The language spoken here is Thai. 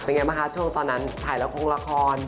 เป็นยังไหมคะช่วงตอนนั้นถ่ายแล้วโครงละคร